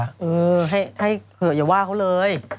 หือให้เขาเชื่ออย่าว่าเขาเลย